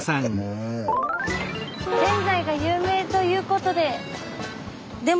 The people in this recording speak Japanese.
ぜんざいが有名ということで。